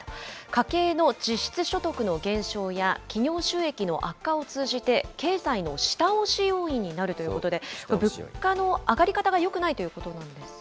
家計の実質所得の減少や企業収益の悪化を通じて、経済の下押し要因になるということで、物価の上がり方がよくないということなんですね。